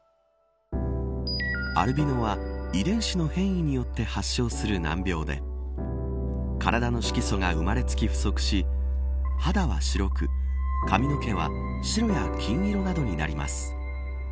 アルビノは遺伝子の変異によって発症する難病で体の色素が生まれつき不足し肌は白く、髪の毛は白や金色などになります。